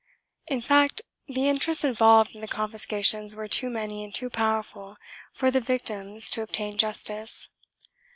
In fact, the interests involved in the confiscations were too many and too powerful for the victims to obtain justice.